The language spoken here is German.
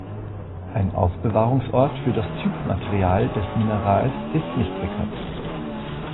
Ein Aufbewahrungsort für das Typmaterial des Minerals ist nicht bekannt.